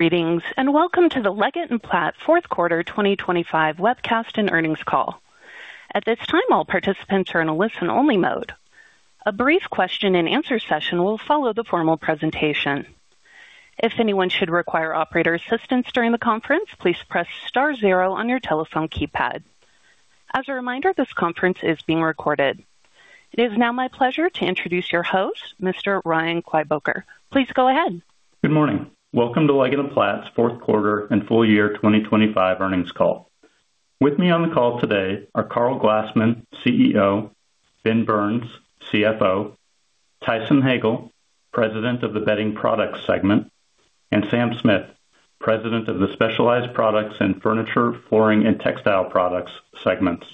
Greetings, and welcome to the Leggett & Platt Fourth Quarter 2025 Webcast and Earnings Call. At this time, all participants are in a listen-only mode. A brief question and answer session will follow the formal presentation. If anyone should require operator assistance during the conference, please press star zero on your telephone keypad. As a reminder, this conference is being recorded. It is now my pleasure to introduce your host, Mr. Ryan M. Kleiboeker. Please go ahead. Good morning. Welcome to Leggett & Platt's fourth quarter and full year 2025 earnings call. With me on the call today are Karl G. Glassman, CEO, Ben Burns, CFO, Tyson Hagale, President of the Bedding Products segment, and Sam Smith, President of the Specialized Products and Furniture, Flooring and Textile Products segments.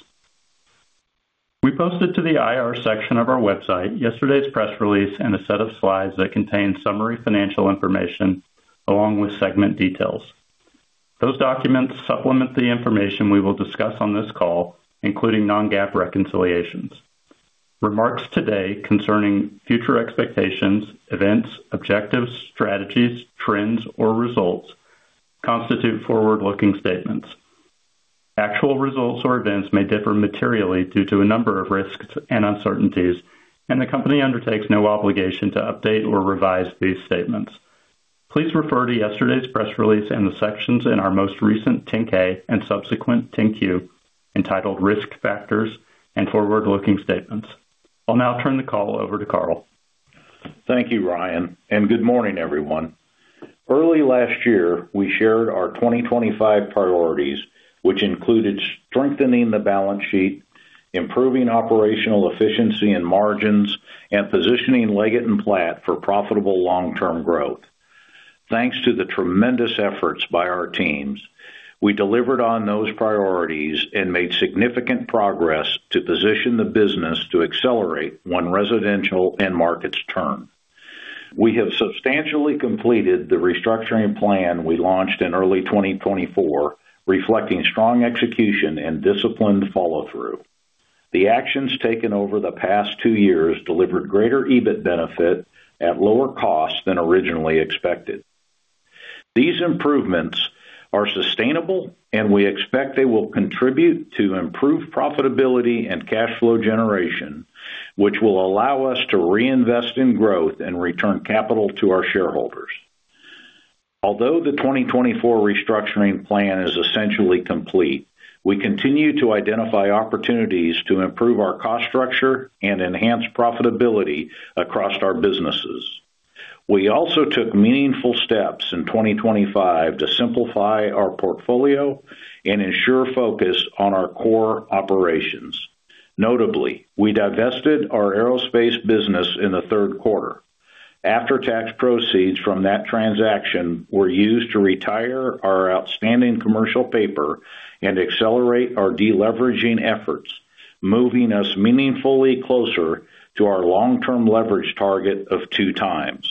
We posted to the IR section of our website yesterday's press release and a set of slides that contain summary financial information along with segment details. Those documents supplement the information we will discuss on this call, including non-GAAP reconciliations. Remarks today concerning future expectations, events, objectives, strategies, trends, or results constitute forward-looking statements. Actual results or events may differ materially due to a number of risks and uncertainties, and the company undertakes no obligation to update or revise these statements. Please refer to yesterday's press release and the sections in our most recent 10-K and subsequent 10-Q, entitled Risk Factors and Forward-Looking Statements. I'll now turn the call over to Karl. Thank you, Ryan, and good morning, everyone. Early last year, we shared our 2025 priorities, which included strengthening the balance sheet, improving operational efficiency and margins, and positioning Leggett & Platt for profitable long-term growth. Thanks to the tremendous efforts by our teams, we delivered on those priorities and made significant progress to position the business to accelerate when residential end markets turn. We have substantially completed the restructuring plan we launched in early 2024, reflecting strong execution and disciplined follow-through. The actions taken over the past 2 years delivered greater EBIT benefit at lower costs than originally expected. These improvements are sustainable, and we expect they will contribute to improved profitability and cash flow generation, which will allow us to reinvest in growth and return capital to our shareholders. Although the 2024 restructuring plan is essentially complete, we continue to identify opportunities to improve our cost structure and enhance profitability across our businesses. We also took meaningful steps in 2025 to simplify our portfolio and ensure focus on our core operations. Notably, we divested our Aerospace business in the third quarter. After-tax proceeds from that transaction were used to retire our outstanding commercial paper and accelerate our deleveraging efforts, moving us meaningfully closer to our long-term leverage target of 2x.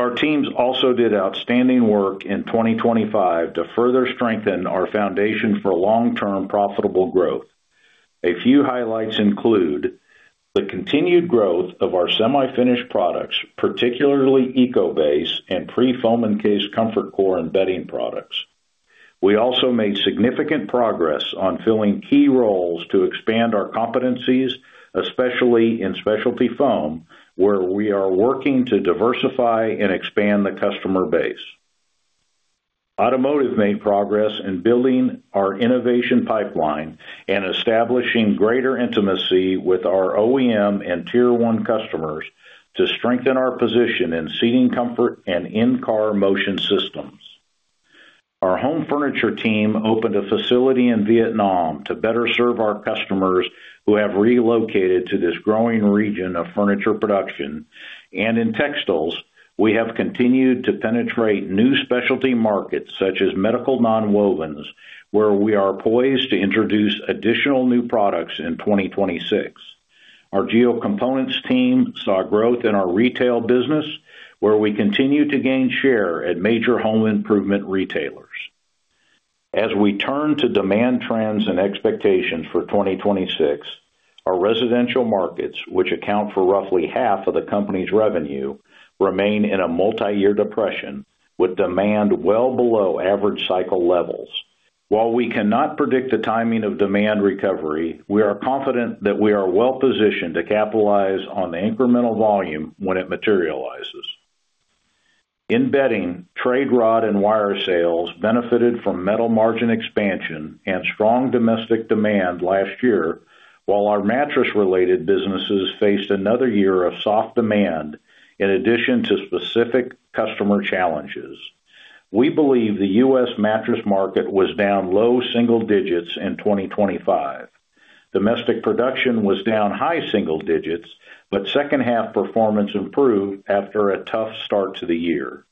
Our teams also did outstanding work in 2025 to further strengthen our foundation for long-term profitable growth. A few highlights include the continued growth of our semi-finished products, particularly Eco-Base and pre-foam-encased ComfortCore and bedding products. We also made significant progress on filling key roles to expand our competencies, especially in Specialty Foam, where we are working to diversify and expand the customer base. Automotive made progress in building our innovation pipeline and establishing greater intimacy with our OEM and Tier 1 customers to strengthen our position in seating comfort and in-car motion systems. Our Home Furniture team opened a facility in Vietnam to better serve our customers who have relocated to this growing region of furniture production. In Textiles, we have continued to penetrate new specialty markets, such as medical nonwovens, where we are poised to introduce additional new products in 2026. Our geo components team saw growth in our retail business, where we continue to gain share at major home improvement retailers. As we turn to demand trends and expectations for 2026, our residential markets, which account for roughly half of the company's revenue, remain in a multi-year depression, with demand well below average cycle levels. While we cannot predict the timing of demand recovery, we are confident that we are well positioned to capitalize on the incremental volume when it materializes. In bedding, trade rod and wire sales benefited from metal margin expansion and strong domestic demand last year, while our mattress-related businesses faced another year of soft demand in addition to specific customer challenges. We believe the U.S. mattress market was down low single digits in 2025. Domestic production was down high single digits, but second half performance improved after a tough start to the year.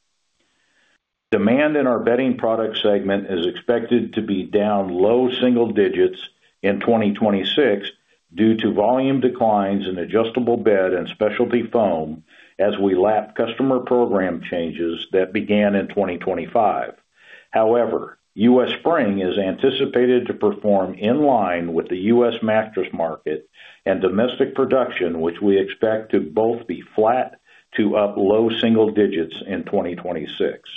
Demand in our Bedding Product Segment is expected to be down low single digits in 2026 due to volume declines in Adjustable Bed and Specialty Foam as we lap customer program changes that began in 2025. However, U.S. Spring is anticipated to perform in line with the U.S. mattress market and domestic production, which we expect to both be flat to up low single digits in 2026.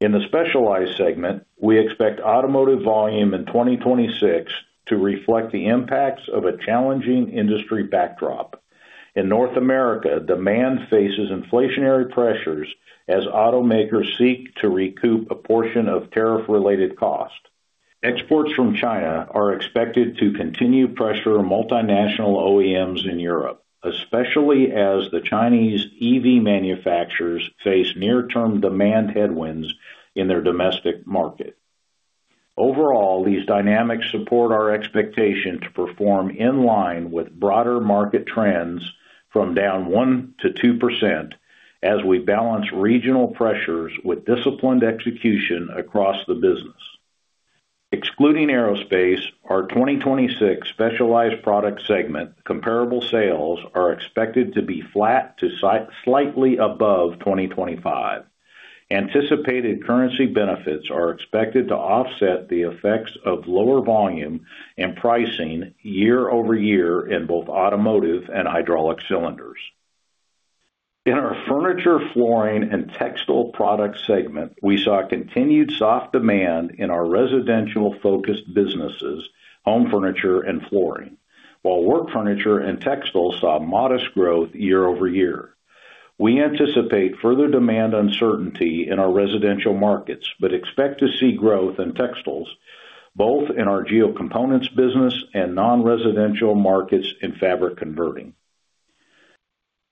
In the specialized segment, we expect Automotive volume in 2026 to reflect the impacts of a challenging industry backdrop. In North America, demand faces inflationary pressures as automakers seek to recoup a portion of tariff-related costs. Exports from China are expected to continue pressure multinational OEMs in Europe, especially as the Chinese EV manufacturers face near-term demand headwinds in their domestic market. Overall, these dynamics support our expectation to perform in line with broader market trends from down 1%-2% as we balance regional pressures with disciplined execution across the business. Excluding Aerospace, our 2026 Specialized Product Segment, comparable sales are expected to be flat to slightly above 2025. Anticipated currency benefits are expected to offset the effects of lower volume and pricing year-over-year in both Automotive and Hydraulic Cylinders. In our furniture, Flooring, and textile product segment, we saw continued soft demand in our residential-focused businesses, Home Furniture, and Flooring, while Work Furniture and Textiles saw modest growth year-over-year. We anticipate further demand uncertainty in our residential markets, but expect to see growth in Textiles, both in our geo components business and non-residential markets in fabric converting.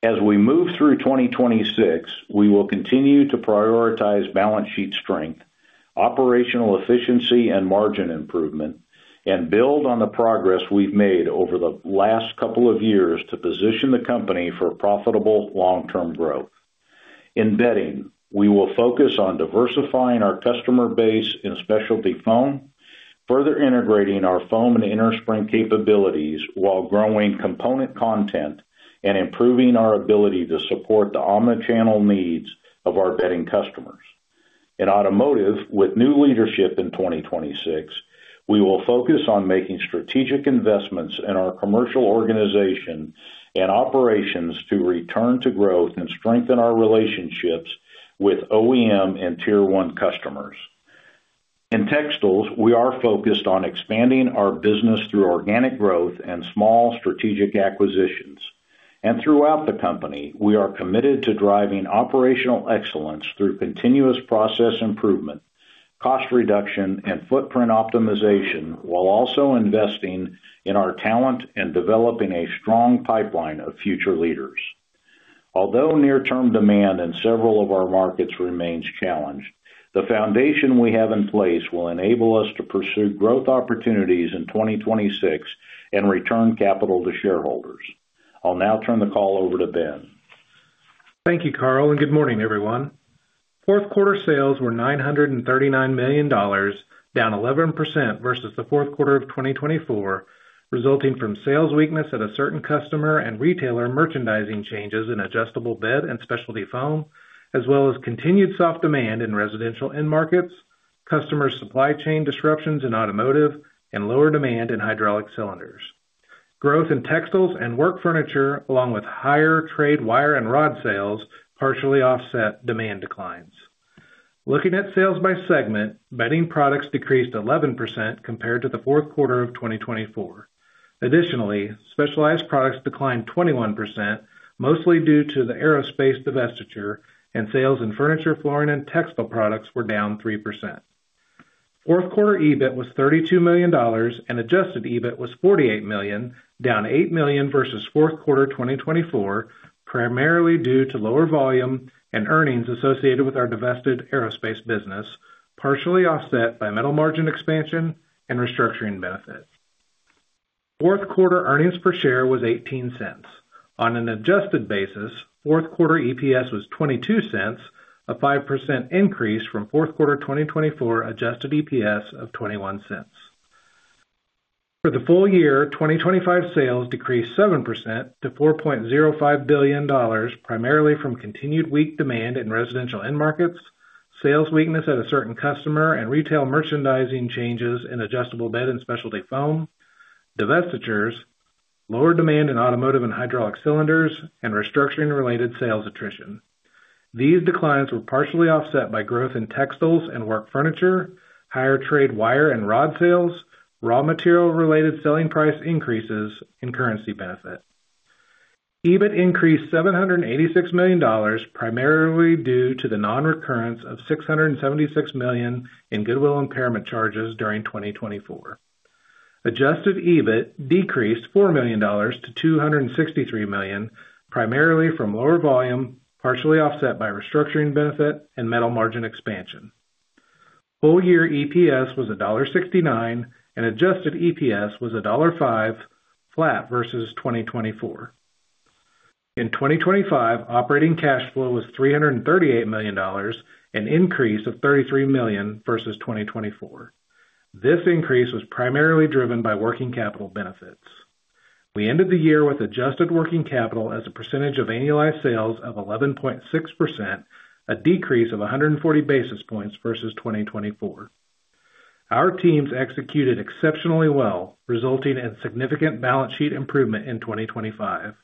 As we move through 2026, we will continue to prioritize balance sheet strength, operational efficiency, and margin improvement, and build on the progress we've made over the last couple of years to position the company for profitable long-term growth. In bedding, we will focus on diversifying our customer base in Specialty Foam, further integrating our foam and innerspring capabilities while growing component content and improving our ability to support the omni-channel needs of our bedding customers. In Automotive, with new leadership in 2026, we will focus on making strategic investments in our commercial organization and operations to return to growth and strengthen our relationships with OEM and Tier 1 customers. In Textiles, we are focused on expanding our business through organic growth and small strategic acquisitions. Throughout the company, we are committed to driving operational excellence through continuous process improvement, cost reduction, and footprint optimization, while also investing in our talent and developing a strong pipeline of future leaders. Although near-term demand in several of our markets remains challenged, the foundation we have in place will enable us to pursue growth opportunities in 2026 and return capital to shareholders. I'll now turn the call over to Ben. Thank you, Carl, and good morning, everyone. Fourth quarter sales were $939 million, down 11% versus the fourth quarter of 2024, resulting from sales weakness at a certain customer and retailer merchandising changes in Adjustable Bed and Specialty Foam, as well as continued soft demand in residential end markets, customer supply chain disruptions in Automotive, and lower demand in Hydraulic Cylinders. Growth in Textiles and Work Furniture, along with higher trade wire and rod sales, partially offset demand declines. Looking at sales by segment, Bedding Products decreased 11% compared to the fourth quarter of 2024. Additionally, Specialized Products declined 21%, mostly due to the Aerospace divestiture, and sales in Furniture, Flooring, and Textile Products were down 3%. Fourth quarter EBIT was $32 million, and adjusted EBIT was $48 million, down $8 million versus fourth quarter 2024, primarily due to lower volume and earnings associated with our divested Aerospace business, partially offset by metal margin expansion and restructuring benefits. Fourth quarter earnings per share was $0.18. On an adjusted basis, fourth quarter EPS was $0.22, a 5% increase from fourth quarter 2024 adjusted EPS of $0.21. For the full year, 2025 sales decreased 7% to $4.05 billion, primarily from continued weak demand in residential end markets, sales weakness at a certain customer and retail merchandising changes in Adjustable Bed and Specialty Foam, divestitures, lower demand in Automotive and Hydraulic Cylinders, and restructuring-related sales attrition. These declines were partially offset by growth in Textiles and Work Furniture, higher trade wire and rod sales, raw material-related selling price increases and currency benefit. EBIT increased $786 million, primarily due to the nonrecurrence of $676 million in goodwill impairment charges during 2024. Adjusted EBIT decreased $4 million to $263 million, primarily from lower volume, partially offset by restructuring benefit and metal margin expansion. Full year EPS was $1.69, and adjusted EPS was $1.05, flat versus 2024. In 2025, operating cash flow was $338 million, an increase of $33 million versus 2024. This increase was primarily driven by Working Capital benefits. We ended the year with adjusted Working Capital as a percentage of annualized sales of 11.6%, a decrease of 140 basis points versus 2024. Our teams executed exceptionally well, resulting in significant balance sheet improvement in 2025.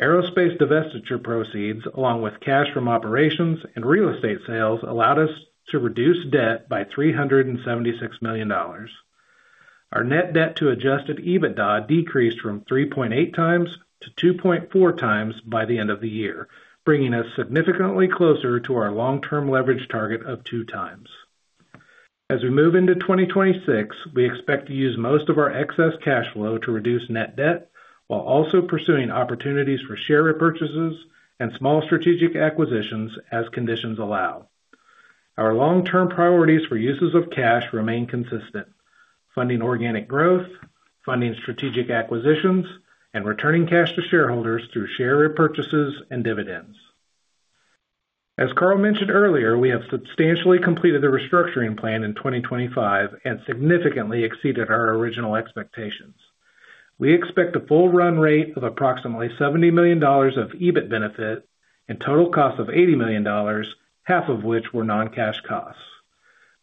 Aerospace divestiture proceeds, along with cash from operations and real estate sales, allowed us to reduce debt by $376 million. Our net debt to Adjusted EBITDA decreased from 3.8x to 2.4x by the end of the year, bringing us significantly closer to our long-term leverage target of 2x. As we move into 2026, we expect to use most of our excess cash flow to reduce net debt, while also pursuing opportunities for share repurchases and small strategic acquisitions as conditions allow. Our long-term priorities for uses of cash remain consistent: funding organic growth, funding strategic acquisitions, and returning cash to shareholders through share repurchases and dividends. As Karl mentioned earlier, we have substantially completed the restructuring plan in 2025 and significantly exceeded our original expectations. We expect a full run rate of approximately $70 million of EBIT benefit and total cost of $80 million, half of which were non-cash costs.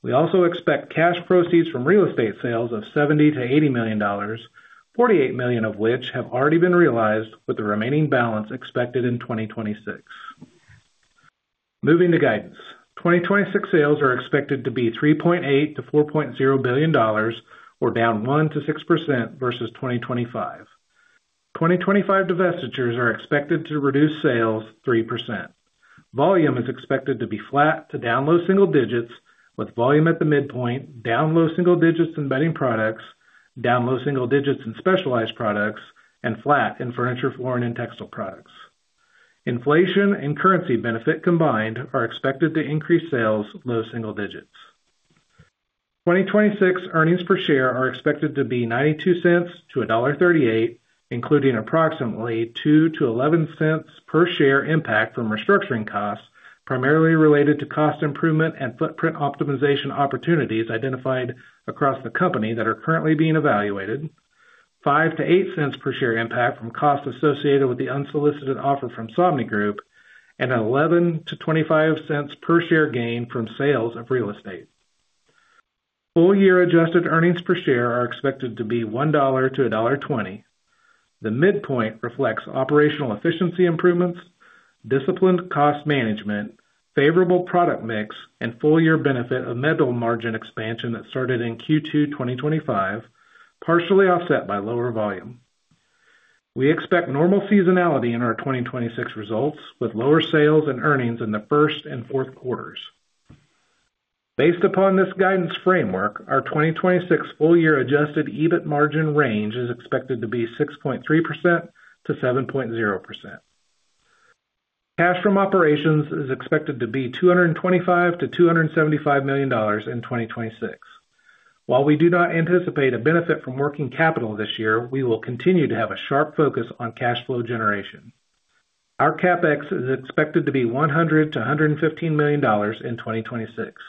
We also expect cash proceeds from real estate sales of $70-$80 million, $48 million of which have already been realized, with the remaining balance expected in 2026. Moving to guidance. 2026 sales are expected to be $3.8-$4.0 billion, or down 1%-6% versus 2025. 2025 divestitures are expected to reduce sales 3%. Volume is expected to be flat to down low single digits, with volume at the midpoint, down low single digits in bedding products, down low single digits in specialized products, and flat in furniture, Flooring, and textile products. Inflation and currency benefit combined are expected to increase sales low single digits. 2026 earnings per share are expected to be $0.92-$1.38, including approximately $0.02-$0.11 per share impact from restructuring costs, primarily related to cost improvement and footprint optimization opportunities identified across the company that are currently being evaluated, $0.05-$0.08 per share impact from costs associated with the unsolicited offer from Somni Group, and $0.11-$0.25 per share gain from sales of real estate. Full year adjusted earnings per share are expected to be $1-$1.20. The midpoint reflects operational efficiency improvements, disciplined cost management, favorable product mix, and full year benefit of metal margin expansion that started in Q2 2025, partially offset by lower volume. We expect normal seasonality in our 2026 results, with lower sales and earnings in the first and fourth quarters. Based upon this guidance framework, our 2026 full year Adjusted EBIT margin range is expected to be 6.3%-7.0%. Cash from operations is expected to be $225 million-$275 million in 2026. While we do not anticipate a benefit from Working Capital this year, we will continue to have a sharp focus on cash flow generation. Our CapEx is expected to be $100 million-$115 million in 2026.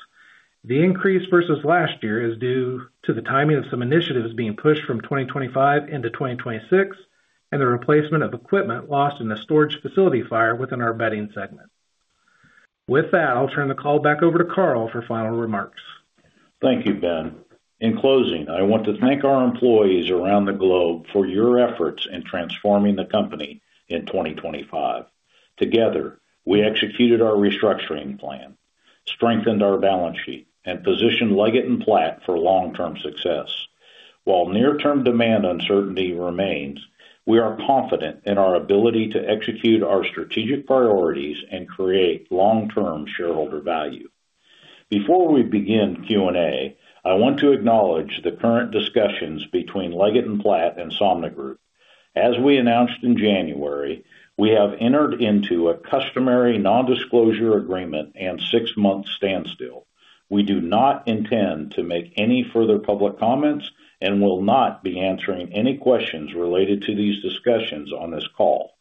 The increase versus last year is due to the timing of some initiatives being pushed from 2025 into 2026 and the replacement of equipment lost in the storage facility fire within our bedding segment. With that, I'll turn the call back over to Karl for final remarks. Thank you, Ben. In closing, I want to thank our employees around the globe for your efforts in transforming the company in 2025. Together, we executed our restructuring plan, strengthened our balance sheet, and positioned Leggett & Platt for long-term success. While near-term demand uncertainty remains, we are confident in our ability to execute our strategic priorities and create long-term shareholder value. Before we begin Q&A, I want to acknowledge the current discussions between Leggett & Platt and Somni Group. As we announced in January, we have entered into a customary non-disclosure agreement and six-month standstill. We do not intend to make any further public comments and will not be answering any questions related to these discussions on this call.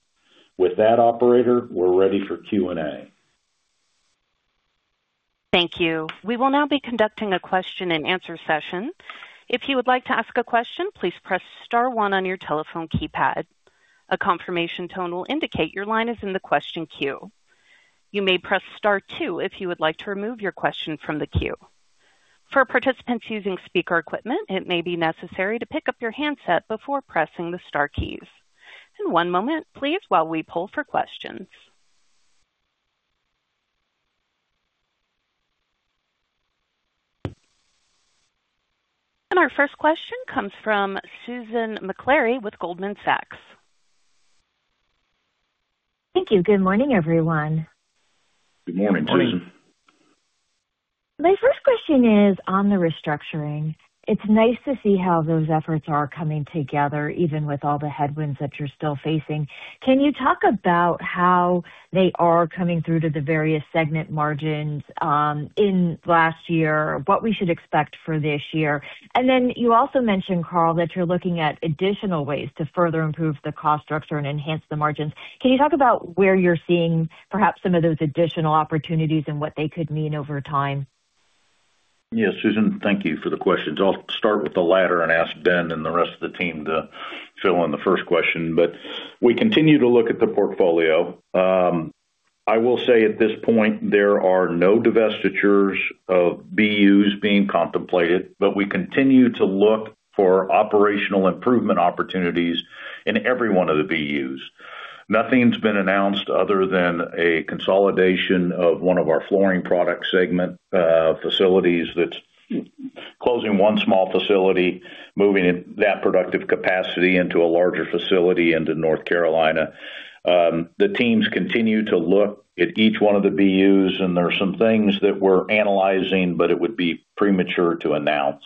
With that, operator, we're ready for Q&A. Thank you. We will now be conducting a question-and-answer session. If you would like to ask a question, please press star one on your telephone keypad. A confirmation tone will indicate your line is in the question queue. You may press star two if you would like to remove your question from the queue. For participants using speaker equipment, it may be necessary to pick up your handset before pressing the star keys. And one moment, please, while we pull for questions. And our first question comes from Susan Maklari with Goldman Sachs. Thank you. Good morning, everyone. Good morning, Susan. My first question is on the restructuring. It's nice to see how those efforts are coming together, even with all the headwinds that you're still facing. Can you talk about how they are coming through to the various segment margins in last year, what we should expect for this year? And then you also mentioned, Karl, that you're looking at additional ways to further improve the cost structure and enhance the margins. Can you talk about where you're seeing perhaps some of those additional opportunities and what they could mean over time?... Yeah, Susan, thank you for the questions. I'll start with the latter and ask Ben and the rest of the team to fill in the first question. We continue to look at the portfolio. I will say at this point, there are no divestitures of BUs being contemplated, but we continue to look for operational improvement opportunities in every one of the BUs. Nothing's been announced other than a consolidation of one of our Flooring product segment facilities that's closing one small facility, moving in that productive capacity into a larger facility into North Carolina. The teams continue to look at each one of the BUs, and there are some things that we're analyzing, but it would be premature to announce.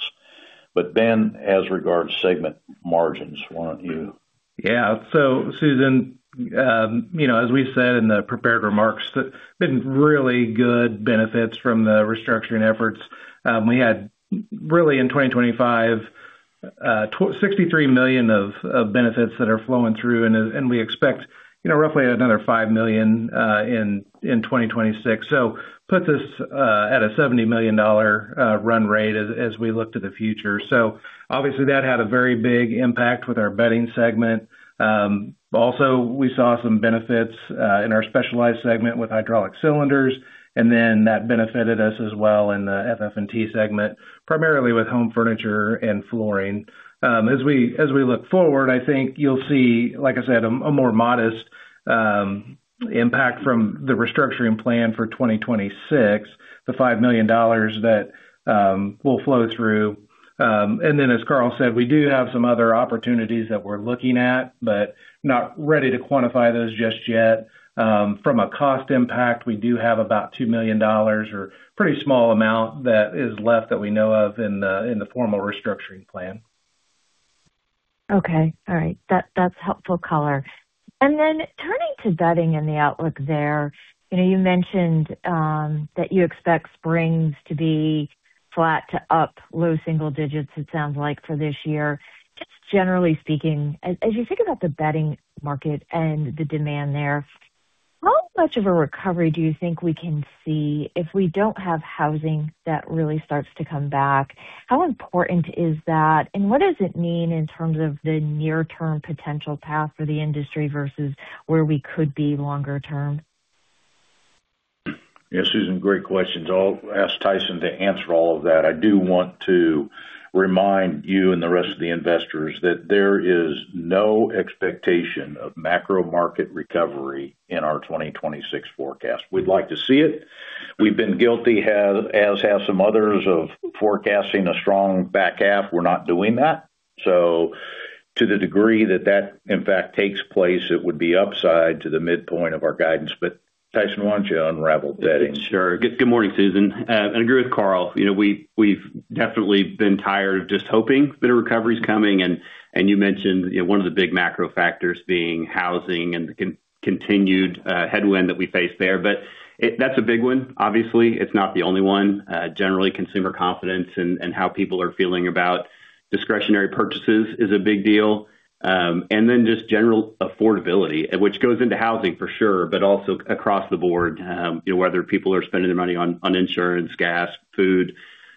Ben, as regards segment margins, why don't you? Yeah. So, Susan, you know, as we said in the prepared remarks, we've seen really good benefits from the restructuring efforts. We had really, in 2025, 63 million of benefits that are flowing through, and we expect, you know, roughly another 5 million in 2026. So puts us at a $70 million run rate as we look to the future. So obviously, that had a very big impact with our bedding segment. Also, we saw some benefits in our specialized segment with Hydraulic Cylinders, and then that benefited us as well in the FF&T segment, primarily with Home Furniture and Flooring. As we look forward, I think you'll see, like I said, a more modest impact from the restructuring plan for 2026, the $5 million that will flow through. And then, as Karl said, we do have some other opportunities that we're looking at, but not ready to quantify those just yet. From a cost impact, we do have about $2 million or pretty small amount that is left that we know of in the formal restructuring plan. Okay, all right. That's helpful color. And then turning to bedding and the outlook there, you know, you mentioned that you expect springs to be flat to up, low single digits, it sounds like, for this year. Just generally speaking, as you think about the bedding market and the demand there, how much of a recovery do you think we can see if we don't have housing that really starts to come back? How important is that, and what does it mean in terms of the near-term potential path for the industry versus where we could be longer term? Yeah, Susan, great questions. I'll ask Tyson to answer all of that. I do want to remind you and the rest of the investors that there is no expectation of macro market recovery in our 2026 forecast. We'd like to see it. We've been guilty, as have some others, of forecasting a strong back half. We're not doing that. So to the degree that that, in fact, takes place, it would be upside to the midpoint of our guidance. But Tyson, why don't you unravel bedding? Sure. Good morning, Susan. I agree with Karl. You know, we, we've definitely been tired of just hoping that a recovery is coming, and, and you mentioned, you know, one of the big macro factors being housing and continued headwind that we face there. But it. That's a big one. Obviously, it's not the only one. Generally, consumer confidence and, and how people are feeling about discretionary purchases is a big deal. And then just general affordability, which goes into housing for sure, but also across the board, you know, whether people are spending their money on, on insurance, gas, food,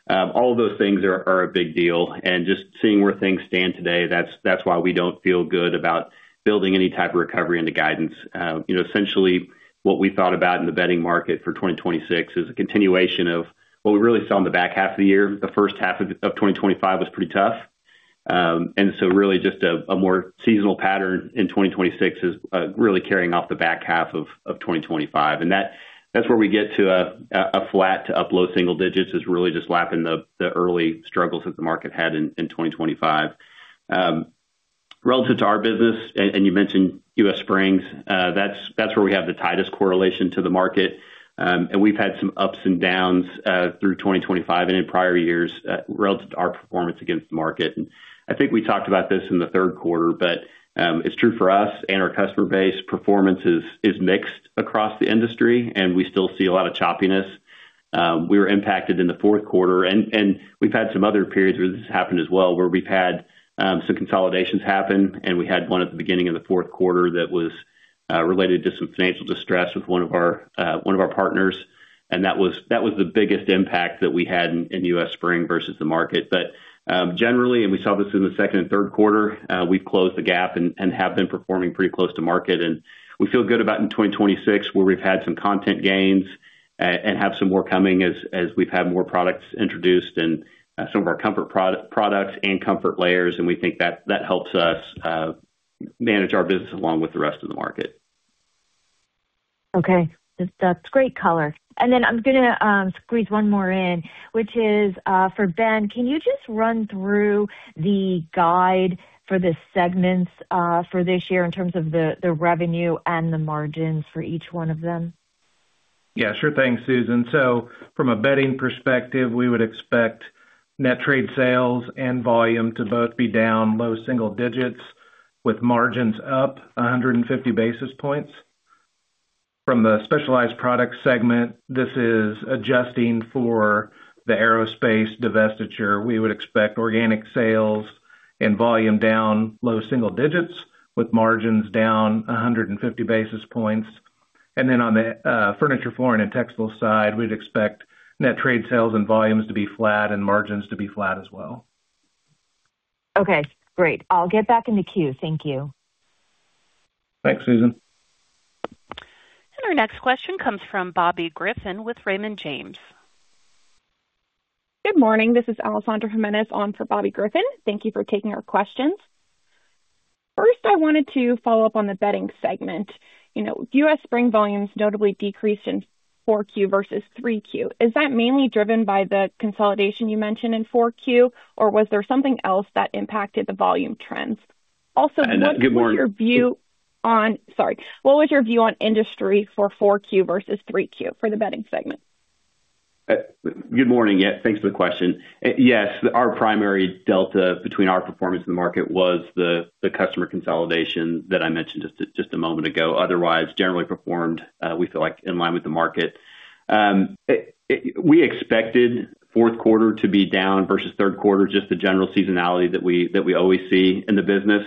all of those things are, are a big deal. And just seeing where things stand today, that's, that's why we don't feel good about building any type of recovery into guidance. You know, essentially, what we thought about in the bedding market for 2026 is a continuation of what we really saw in the back half of the year. The first half of 2025 was pretty tough. And so really just a more seasonal pattern in 2026 is really carrying off the back half of 2025. And that's where we get to a flat to up low single digits is really just lapping the early struggles that the market had in 2025. Relative to our business, and you mentioned U.S. Spring, that's where we have the tightest correlation to the market. And we've had some ups and downs through 2025 and in prior years relative to our performance against the market. I think we talked about this in the third quarter, but it's true for us and our customer base. Performance is mixed across the industry, and we still see a lot of choppiness. We were impacted in the fourth quarter, and we've had some other periods where this has happened as well, where we've had some consolidations happen, and we had one at the beginning of the fourth quarter that was related to some financial distress with one of our partners, and that was the biggest impact that we had in the U.S. Spring versus the market. But generally, and we saw this in the second and third quarter, we've closed the gap and have been performing pretty close to market. We feel good about in 2026, where we've had some content gains, and have some more coming as we've had more products introduced and some of our comfort products and comfort layers, and we think that helps us manage our business along with the rest of the market. Okay. That's great color. And then I'm gonna squeeze one more in, which is for Ben. Can you just run through the guide for the segments for this year in terms of the revenue and the margins for each one of them? Yeah, sure thing, Susan. So from a bedding perspective, we would expect net trade sales and volume to both be down low single digits, with margins up 150 basis points. From the Specialized Product Segment, this is adjusting for the Aerospace divestiture. We would expect organic sales and volume down low single digits, with margins down 150 basis points.... And then on the furniture, Flooring, and textile side, we'd expect net trade sales and volumes to be flat and margins to be flat as well. Okay, great. I'll get back in the queue. Thank you. Thanks, Susan. Our next question comes from Bobby Griffin with Raymond James. Good morning, this is Alessandra Jimenez on for Bobby Griffin. Thank you for taking our questions. First, I wanted to follow up on the bedding segment. You know, U.S. Spring volumes notably decreased in 4Q versus 3Q. Is that mainly driven by the consolidation you mentioned in 4Q, or was there something else that impacted the volume trends? Also, what was your view on- Good morning. Sorry. What was your view on industry for 4Q versus 3Q for the bedding segment? Good morning. Yeah, thanks for the question. Yes, our primary delta between our performance and the market was the customer consolidation that I mentioned just a moment ago. Otherwise, generally performed, we feel like, in line with the market. It-- we expected fourth quarter to be down versus third quarter, just the general seasonality that we always see in the business.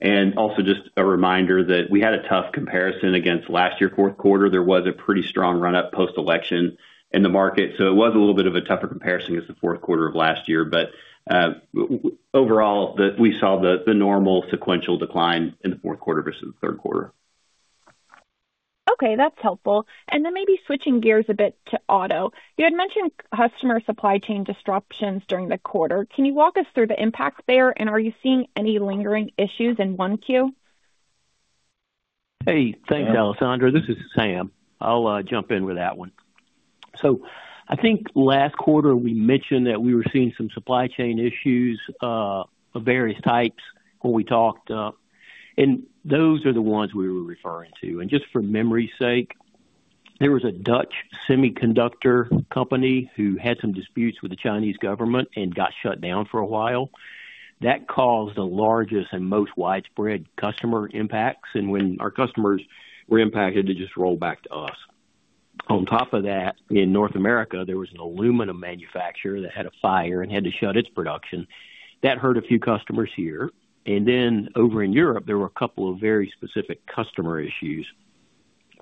And also, just a reminder that we had a tough comparison against last year, fourth quarter. There was a pretty strong run up post-election in the market, so it was a little bit of a tougher comparison against the fourth quarter of last year. But overall, we saw the normal sequential decline in the fourth quarter versus the third quarter. Okay, that's helpful. And then maybe switching gears a bit to auto. You had mentioned customer supply chain disruptions during the quarter. Can you walk us through the impacts there? And are you seeing any lingering issues in 1Q? Hey, thanks, Alessandra. This is Sam. I'll jump in with that one. So I think last quarter, we mentioned that we were seeing some supply chain issues of various types when we talked, and those are the ones we were referring to. And just for memory's sake, there was a Dutch semiconductor company who had some disputes with the Chinese government and got shut down for a while. That caused the largest and most widespread customer impacts, and when our customers were impacted, they just rolled back to us. On top of that, in North America, there was an aluminum manufacturer that had a fire and had to shut its production. That hurt a few customers here. And then over in Europe, there were a couple of very specific customer issues.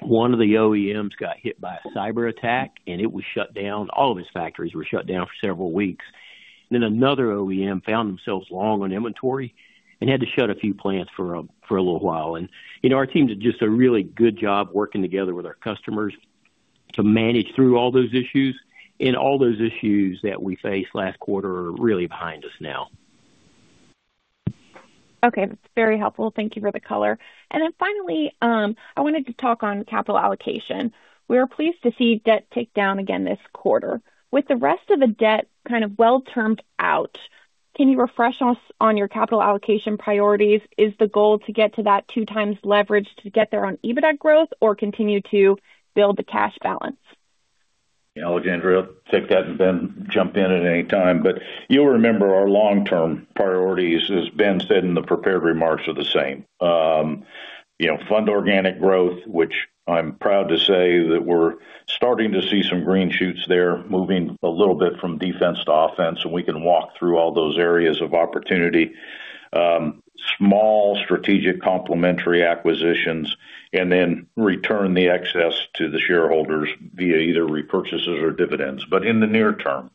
One of the OEMs got hit by a cyberattack, and it was shut down. All of its factories were shut down for several weeks. Then another OEM found themselves long on inventory and had to shut a few plants for a little while. And, you know, our teams did just a really good job working together with our customers to manage through all those issues, and all those issues that we faced last quarter are really behind us now. Okay, that's very helpful. Thank you for the color. And then finally, I wanted to talk on capital allocation. We were pleased to see debt tick down again this quarter. With the rest of the debt kind of well-termed out, can you refresh us on your capital allocation priorities? Is the goal to get to that 2x leverage to get there on EBITDA growth or continue to build the cash balance? Yeah, Alessandra, I'll take that, and Ben, jump in at any time. But you'll remember our long-term priorities, as Ben said in the prepared remarks, are the same. You know, fund organic growth, which I'm proud to say that we're starting to see some green shoots there, moving a little bit from defense to offense, and we can walk through all those areas of opportunity. Small strategic complementary acquisitions, and then return the excess to the shareholders via either repurchases or dividends. But in the near term,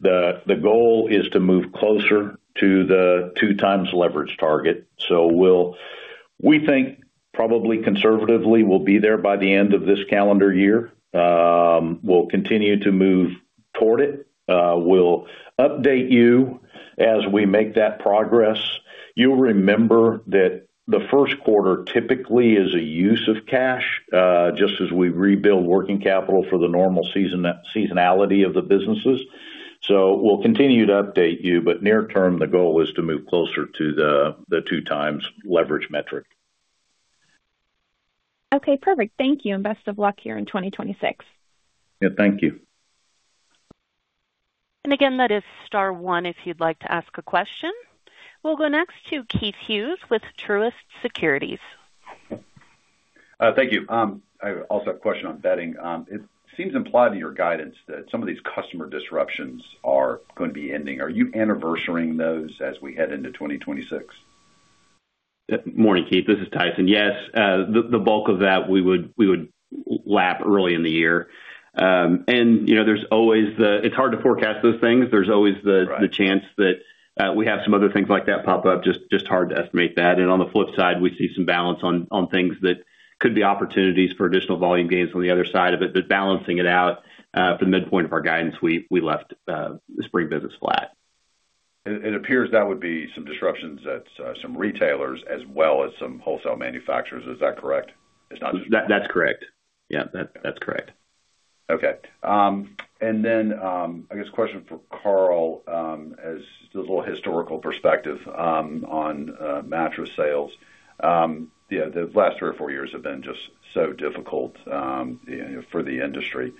the goal is to move closer to the 2x leverage target. So we'll—we think probably conservatively, we'll be there by the end of this calendar year. We'll continue to move toward it. We'll update you as we make that progress. You'll remember that the first quarter typically is a use of cash, just as we rebuild working capital for the normal seasonality of the businesses. So we'll continue to update you, but near term, the goal is to move closer to the 2x leverage metric. Okay, perfect. Thank you, and best of luck here in 2026. Yeah, thank you. And again, that is star one if you'd like to ask a question. We'll go next to Keith Hughes with Truist Securities. Thank you. I also have a question on bedding. It seems implied in your guidance that some of these customer disruptions are going to be ending. Are you anniversarying those as we head into 2026? Morning, Keith, this is Tyson. Yes, the bulk of that we would lap early in the year. You know, there's always the... It's hard to forecast those things. There's always the- Right. - the chance that we have some other things like that pop up, just, just hard to estimate that. And on the flip side, we see some balance on, on things that could be opportunities for additional volume gains on the other side of it, but balancing it out, at the midpoint of our guidance, we, we left the spring business flat. It appears that would be some disruptions at some retailers as well as some wholesale manufacturers. Is that correct? It's not- That, that's correct. Yeah, that, that's correct. Okay, and then, I guess question for Karl, as a little historical perspective, on mattress sales. You know, the last three or four years have been just so difficult, you know, for the industry.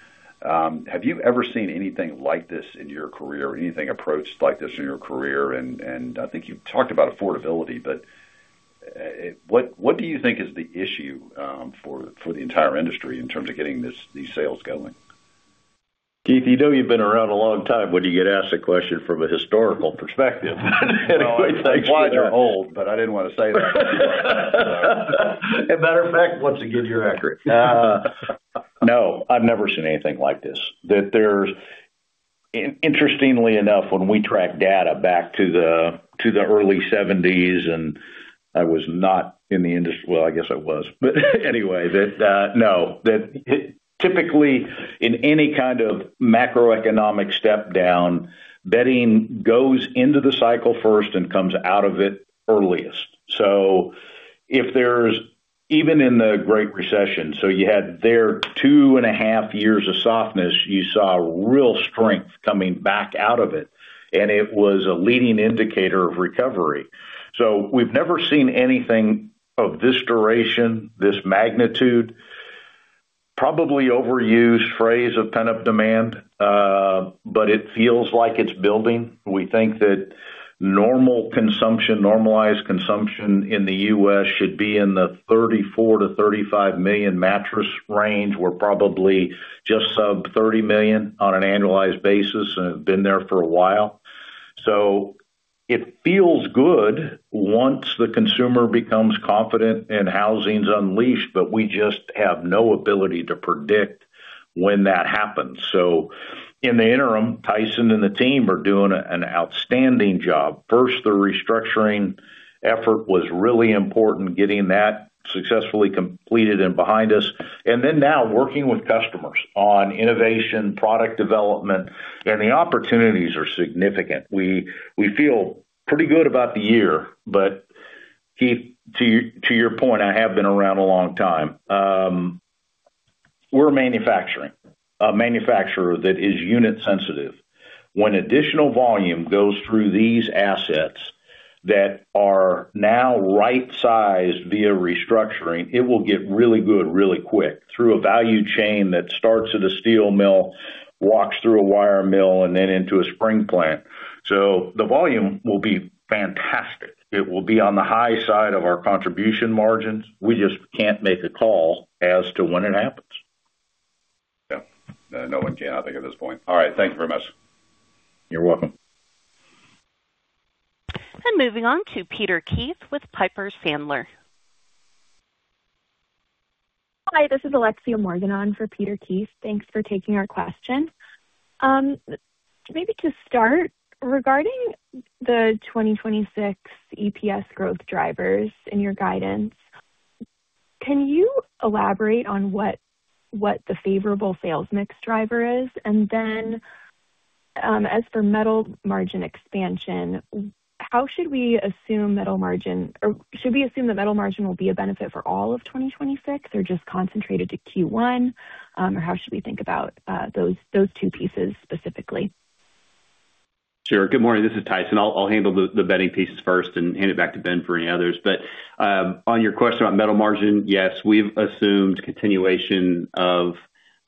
Have you ever seen anything like this in your career or anything approached like this in your career? And I think you've talked about affordability, but what do you think is the issue, for the entire industry in terms of getting this, these sales going?... Keith, you know you've been around a long time when you get asked a question from a historical perspective. Well, I'm wise or old, but I didn't want to say that. A matter of fact, once again, you're accurate. Uh. No, I've never seen anything like this. Interestingly enough, when we track data back to the early seventies, and I was not in the industry. Well, I guess I was, but anyway, that typically, in any kind of macroeconomic step down, bedding goes into the cycle first and comes out of it earliest. So if there's, even in the Great Recession, so you had there 2.5 years of softness, you saw real strength coming back out of it, and it was a leading indicator of recovery. So we've never seen anything of this duration, this magnitude, probably overused phrase of pent-up demand, but it feels like it's building. We think that normal consumption, normalized consumption in the U.S. should be in the 34-35 million mattress range. We're probably just sub-$30 million on an annualized basis and have been there for a while. So it feels good once the consumer becomes confident and housing's unleashed, but we just have no ability to predict when that happens. So in the interim, Tyson and the team are doing an outstanding job. First, the restructuring effort was really important, getting that successfully completed and behind us, and then now working with customers on innovation, product development, and the opportunities are significant. We, we feel pretty good about the year, but Keith, to, to your point, I have been around a long time. We're manufacturing, a manufacturer that is unit sensitive. When additional volume goes through these assets that are now right-sized via restructuring, it will get really good, really quick, through a value chain that starts at a steel mill, walks through a wire mill, and then into a spring plant. So the volume will be fantastic. It will be on the high side of our contribution margins. We just can't make a call as to when it happens. Yeah, no one can, I think, at this point. All right. Thank you very much. You're welcome. Moving on to Peter Keith with Piper Sandler. Hi, this is Alexia Morgan for Peter Keith. Thanks for taking our question. Maybe to start, regarding the 2026 EPS growth drivers in your guidance, can you elaborate on what the favorable sales mix driver is? And then, as for metal margin expansion, how should we assume metal margin or should we assume the metal margin will be a benefit for all of 2026 or just concentrated to Q1? Or how should we think about those two pieces specifically? Sure. Good morning, this is Tyson. I'll handle the bedding pieces first and hand it back to Ben for any others. But on your question about metal margin, yes, we've assumed continuation of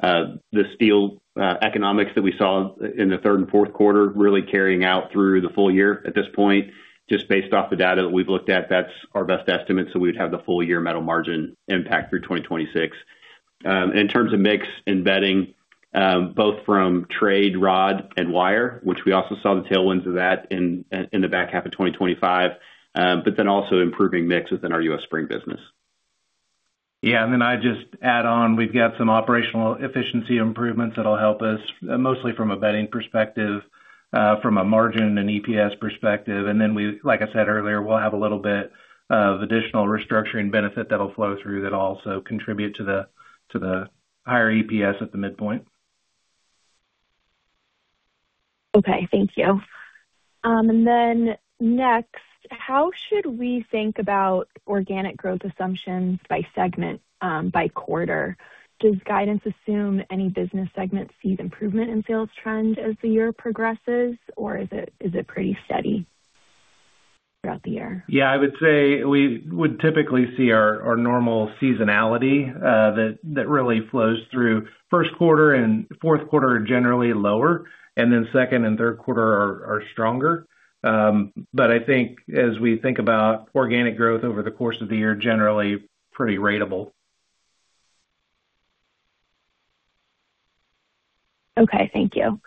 the steel economics that we saw in the third and fourth quarter, really carrying out through the full year. At this point, just based off the data that we've looked at, that's our best estimate, so we'd have the full-year metal margin impact through 2026. In terms of mix and bedding, both from traded rod and wire, which we also saw the tailwinds of that in the back half of 2025, but then also improving mix within our US spring business. Yeah, and then I'd just add on, we've got some operational efficiency improvements that'll help us, mostly from a bedding perspective, from a margin and EPS perspective. And then we, like I said earlier, we'll have a little bit of additional restructuring benefit that'll flow through that'll also contribute to the, to the higher EPS at the midpoint. Okay, thank you. And then next, how should we think about organic growth assumptions by segment, by quarter? Does guidance assume any business segments see improvement in sales trends as the year progresses, or is it, is it pretty steady throughout the year? Yeah, I would say we would typically see our normal seasonality, that really flows through first quarter and fourth quarter are generally lower, and then second and third quarter are stronger. But I think as we think about organic growth over the course of the year, generally pretty ratable. Okay, thank you.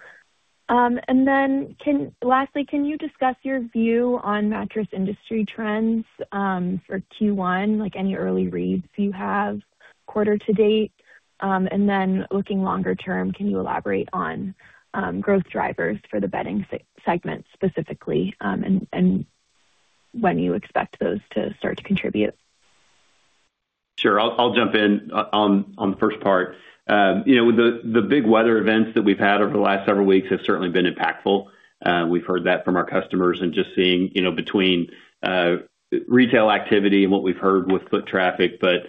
And then lastly, can you discuss your view on mattress industry trends, for Q1, like any early reads you have quarter to date? And then looking longer term, can you elaborate on growth drivers for the bedding segment specifically, and when you expect those to start to contribute? Sure. I'll jump in on the first part. You know, the big weather events that we've had over the last several weeks have certainly been impactful. We've heard that from our customers and just seeing, you know, between retail activity and what we've heard with foot traffic, but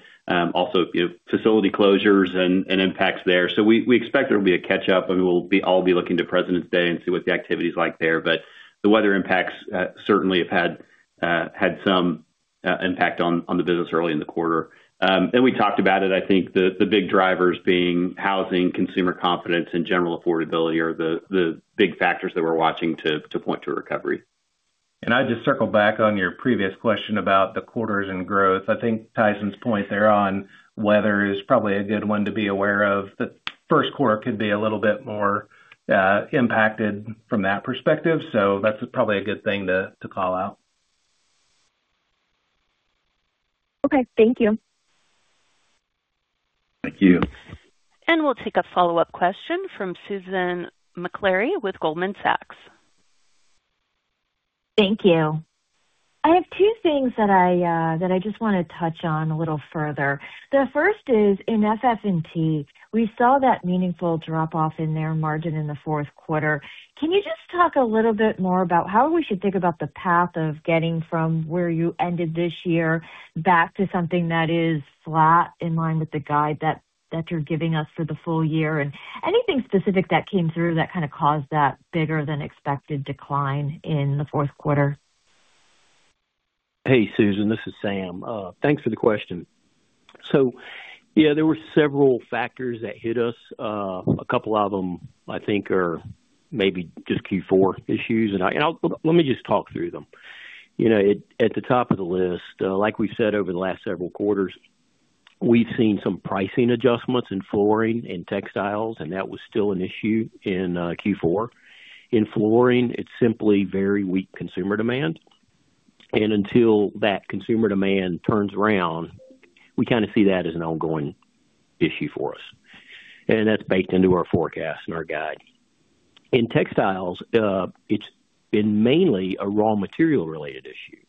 also, you know, facility closures and impacts there. So we expect there will be a catch-up, and we'll all be looking to President's Day and see what the activity is like there. But the weather impacts certainly have had some impact on the business early in the quarter. And we talked about it, I think the big drivers being housing, consumer confidence, and general affordability are the big factors that we're watching to point to recovery. I'd just circle back on your previous question about the quarters and growth. I think Tyson's point there on weather is probably a good one to be aware of. The first quarter could be a little bit more impacted from that perspective, so that's probably a good thing to call out. Okay. Thank you. Thank you. We'll take a follow-up question from Susan Maklari with Goldman Sachs. Thank you. I have two things that I, that I just wanna touch on a little further. The first is in FF&T, we saw that meaningful drop-off in their margin in the fourth quarter. Can you just talk a little bit more about how we should think about the path of getting from where you ended this year back to something that is flat, in line with the guide that, that you're giving us for the full year? And anything specific that came through that kinda caused that bigger than expected decline in the fourth quarter? Hey, Susan, this is Sam. Thanks for the question. So, yeah, there were several factors that hit us. A couple of them, I think, are maybe just Q4 issues. Let me just talk through them. You know, at the top of the list, like we've said over the last several quarters, we've seen some pricing adjustments in Flooring and Textiles, and that was still an issue in Q4. In Flooring, it's simply very weak consumer demand, and until that consumer demand turns around, we kinda see that as an ongoing issue for us, and that's baked into our forecast and our guide. In Textiles, it's been mainly a raw material related issue,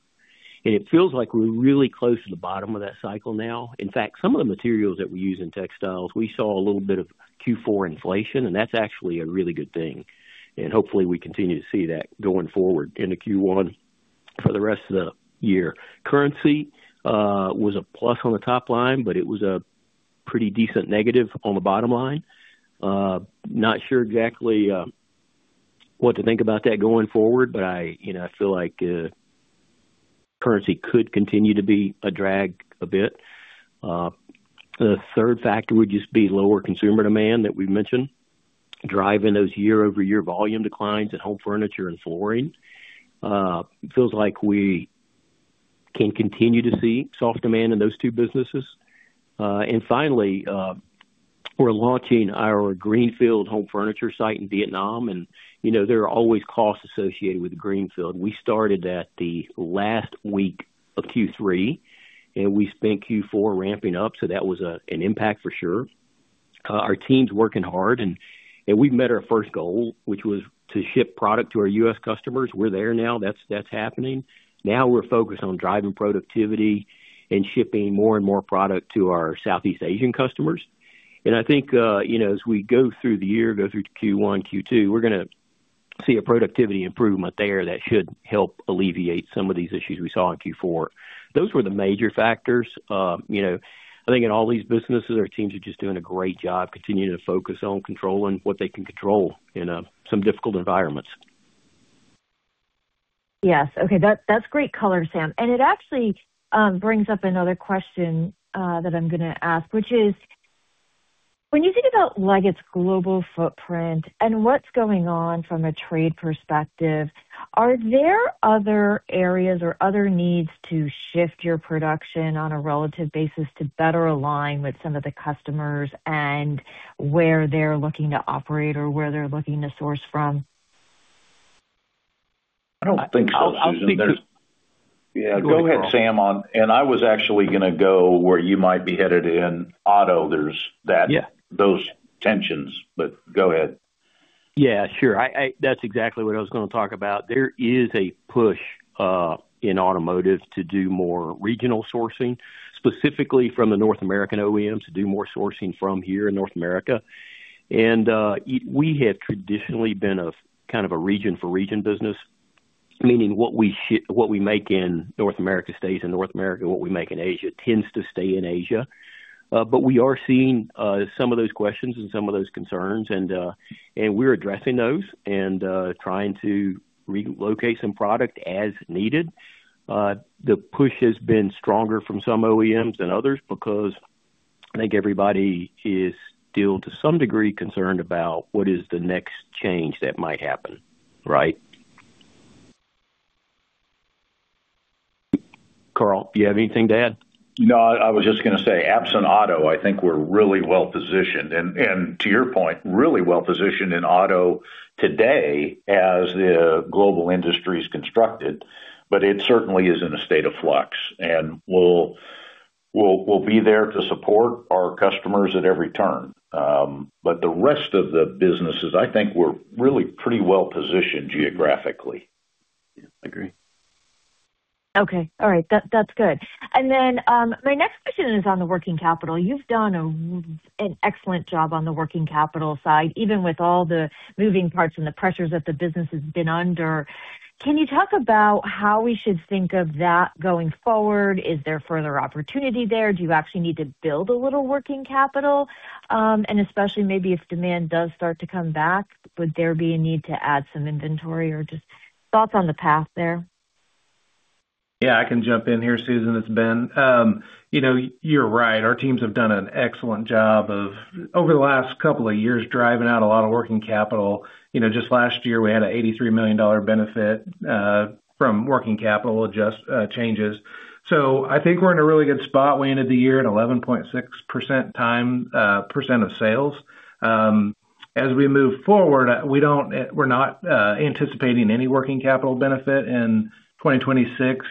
and it feels like we're really close to the bottom of that cycle now. In fact, some of the materials that we use in Textiles, we saw a little bit of Q4 inflation, and that's actually a really good thing, and hopefully we continue to see that going forward into Q1 for the rest of the year. Currency was a plus on the top line, but it was a pretty decent negative on the bottom line. Not sure exactly what to think about that going forward, but I, you know, I feel like currency could continue to be a drag a bit. The third factor would just be lower consumer demand that we've mentioned, driving those year-over-year volume declines in Home Furniture and Flooring. Feels like we can continue to see soft demand in those two businesses. And finally, we're launching our greenfield Home Furniture site in Vietnam, and, you know, there are always costs associated with greenfield. We started that the last week of Q3, and we spent Q4 ramping up, so that was an impact for sure. Our team's working hard, and we've met our first goal, which was to ship product to our U.S. customers. We're there now. That's happening. Now we're focused on driving productivity and shipping more and more product to our Southeast Asian customers. And I think, you know, as we go through the year, go through Q1, Q2, we're gonna see a productivity improvement there that should help alleviate some of these issues we saw in Q4. Those were the major factors. You know, I think in all these businesses, our teams are just doing a great job continuing to focus on controlling what they can control in some difficult environments. Yes. Okay, that's, that's great color, Sam, and it actually brings up another question that I'm gonna ask, which is: when you think about Leggett's global footprint and what's going on from a trade perspective, are there other areas or other needs to shift your production on a relative basis to better align with some of the customers and where they're looking to operate or where they're looking to source from? I don't think so, Susan. There's- Yeah, go ahead, Sam, on... I was actually gonna go where you might be headed. In auto, there's that- Yeah. Those tensions, but go ahead. Yeah, sure. That's exactly what I was gonna talk about. There is a push in Automotive to do more regional sourcing, specifically from the North American OEMs, to do more sourcing from here in North America. And we have traditionally been a kind of a region for region business, meaning what we ship, what we make in North America, stays in North America, what we make in Asia tends to stay in Asia. But we are seeing some of those questions and some of those concerns, and we're addressing those and trying to relocate some product as needed. The push has been stronger from some OEMs than others because I think everybody is still, to some degree, concerned about what is the next change that might happen, right? Karl, do you have anything to add? No, I was just gonna say, absent auto, I think we're really well positioned, and to your point, really well positioned in auto today as the global industry is constructed, but it certainly is in a state of flux, and we'll be there to support our customers at every turn. But the rest of the businesses, I think we're really pretty well positioned geographically. Yeah, I agree. Okay. All right, that's, that's good. Then my next question is on the working capital. You've done an excellent job on the working capital side, even with all the moving parts and the pressures that the business has been under. Can you talk about how we should think of that going forward? Is there further opportunity there? Do you actually need to build a little working capital? And especially maybe if demand does start to come back, would there be a need to add some inventory? Or just thoughts on the path there. Yeah, I can jump in here, Susan. It's Ben. You know, you're right. Our teams have done an excellent job of, over the last couple of years, driving out a lot of working capital. You know, just last year, we had an $83 million benefit from working capital changes. So I think we're in a really good spot. We ended the year at 11.6% of sales. As we move forward, we're not anticipating any working capital benefit in 2026.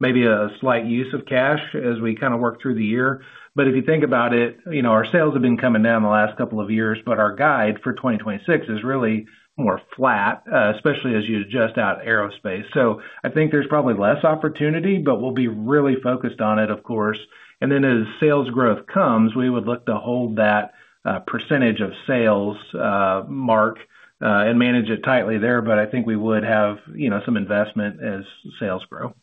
Maybe a slight use of cash as we kinda work through the year. But if you think about it, you know, our sales have been coming down in the last couple of years, but our guide for 2026 is really more flat, especially as you adjust out Aerospace. I think there's probably less opportunity, but we'll be really focused on it, of course. And then, as sales growth comes, we would look to hold that percentage of sales mark, and manage it tightly there, but I think we would have, you know, some investment as sales grow.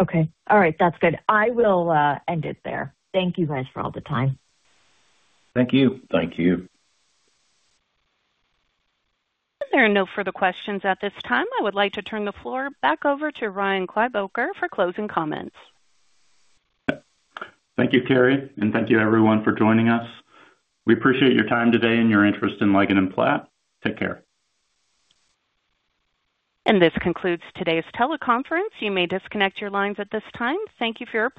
Okay. All right, that's good. I will end it there. Thank you guys for all the time. Thank you. Thank you. There are no further questions at this time. I would like to turn the floor back over to Ryan Kleiboeker for closing comments. Thank you, Terry, and thank you, everyone, for joining us. We appreciate your time today and your interest in Leggett & Platt. Take care. This concludes today's teleconference. You may disconnect your lines at this time. Thank you for your participation.